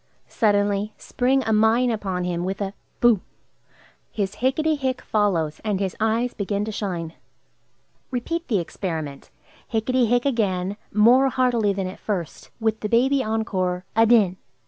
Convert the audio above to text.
Suddenly spring a mine upon him with a "Boo!" His "Hicketty hick!" follows, and his eyes begin to shine. Repeat the experiment. "Hicketty hick!" again, more heartily than at first, with the baby encore, "Adin!"